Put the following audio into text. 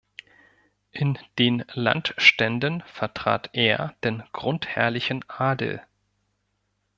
In den Landständen vertrat er den grundherrlichen Adel.